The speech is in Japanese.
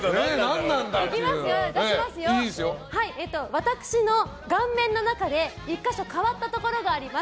私の顔面の中で１か所変わったところがあります。